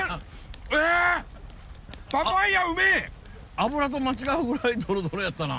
脂と間違うぐらいトロトロやったな。